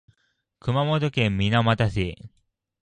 熊本県水俣市